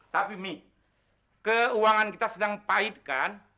tapi mi keuangan kita sedang pahitkan